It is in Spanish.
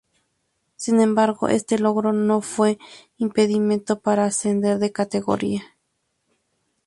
Sin embargo, este logro no fue impedimento para ascender de categoría.